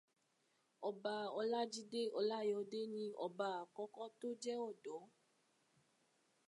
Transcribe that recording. Ọba Ọlájídé Ọláyọdé ni ọba àkọ́kọ́ tó jẹ́ ọ̀dọ́.